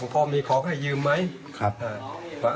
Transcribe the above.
พ่อมีของให้ยืมไหม